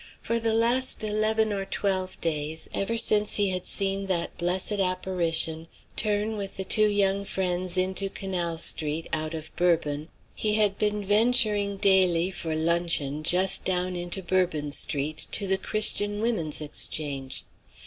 For the last eleven or twelve days, ever since he had seen that blessed apparition turn with the two young friends into Canal Street out of Bourbon he had been venturing daily, for luncheon, just down into Bourbon Street, to the Christian Women's Exchange.